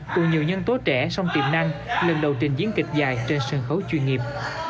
cùng nhiều nhân tố trẻ song tiềm năng lần đầu trình diễn kịch dài trên sân khấu chuyên nghiệp